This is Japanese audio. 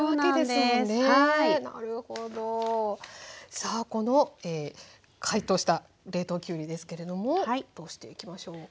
さあこの解凍した冷凍きゅうりですけれどもどうしていきましょうか？